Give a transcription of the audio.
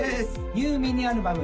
ニューミニアルバム